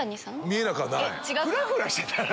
フラフラしてたよ。